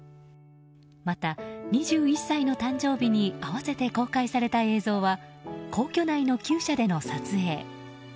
また、２１歳の誕生日に併せて公開された映像は皇居内の厩舎での撮影。